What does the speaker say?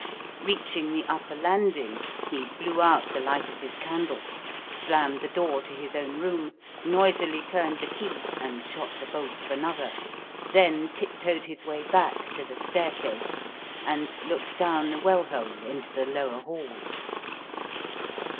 Reaching the upper landing he blew out the light of his candle, slammed the door to his own room, noisily turned the key, and shot the bolt of another, then tiptoed his way back to the staircase and looked down the well hole into the lower hall.